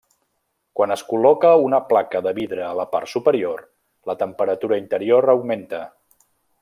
Quan es col·loca una placa de vidre a la part superior, la temperatura interior augmenta.